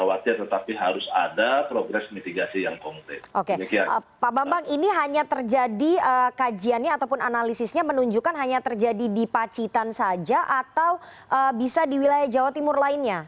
apakah analisisnya menunjukkan hanya terjadi di pacitan saja atau bisa di wilayah jawa timur lainnya